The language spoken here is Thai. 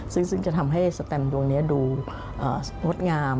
ซึ่งจะทำให้สเต็มท์ดวงนี้ดูพรดิงาม